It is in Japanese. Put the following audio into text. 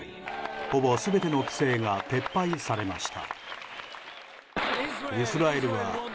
ほぼ全ての規制が撤廃されました。